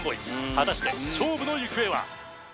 果たして勝負の行方は！？